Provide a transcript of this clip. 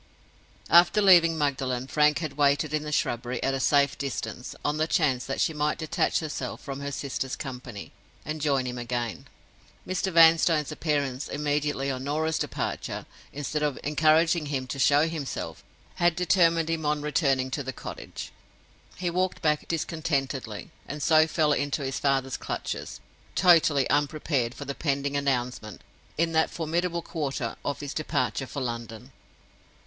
After leaving Magdalen, Frank had waited in the shrubbery, at a safe distance, on the chance that she might detach herself from her sister's company, and join him again. Mr. Vanstone's appearance immediately on Norah's departure, instead of encouraging him to show himself, had determined him on returning to the cottage. He walked back discontentedly; and so fell into his father's clutches, totally unprepared for the pending announcement, in that formidable quarter, of his departure for London.